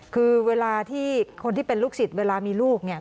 คือคนที่เป็นลูกศิษย์เวลามีลูกเนี่ย